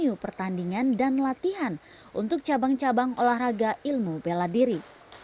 venue pertandingan dan latihan untuk cabang cabang olahraga ilmu bela diri